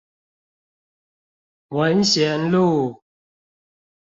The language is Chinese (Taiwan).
文賢路